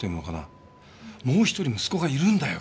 もう一人息子がいるんだよ。